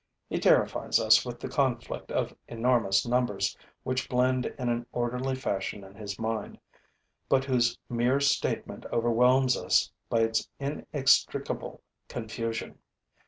He terrifies us with the conflict of enormous numbers which blend in an orderly fashion in his mind, but whose mere statement overwhelms us by its inextricable confusion.